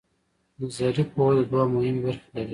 نظري پوهه دوه مهمې برخې لري.